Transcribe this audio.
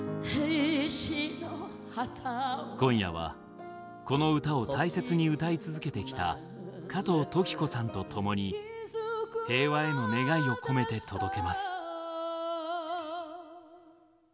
今夜はこの歌を大切に歌い続けてきた加藤登紀子さんと共に平和への願いを込めて届けます。